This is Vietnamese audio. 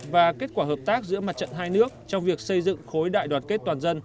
và kết quả hợp tác giữa mặt trận hai nước trong việc xây dựng khối đại đoàn kết toàn dân